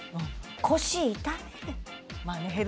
腰痛める。